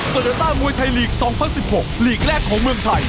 โยต้ามวยไทยลีก๒๐๑๖ลีกแรกของเมืองไทย